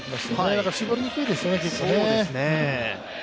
だから絞りにくいですよね結構ね。